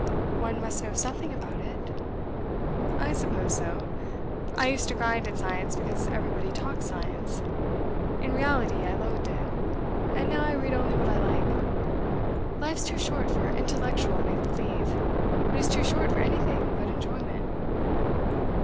'One must know something about it.' 'I suppose so. I used to grind at science because everybody talked science. In reality I loathed it, and now I read only what I like. Life's too short for intellectual make believe. It is too short for anything but enjoyment.